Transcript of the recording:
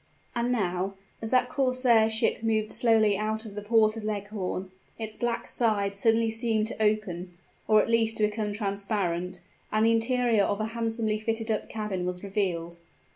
And now as that corsair ship moved slowly out of the port of Leghorn its black side suddenly seemed to open, or at least to become transparent; and the interior of a handsomely fitted up cabin was revealed.